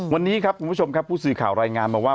วันนี้ครับคุณผู้ชมครับผู้สื่อข่าวรายงานมาว่า